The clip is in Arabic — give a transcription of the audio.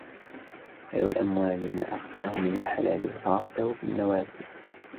خَيْرُ الْأَمْوَالِ مَا أَخَذْته مِنْ الْحَلَالِ وَصَرَفْته فِي النَّوَالِ